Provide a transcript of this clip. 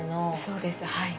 そうです、はい。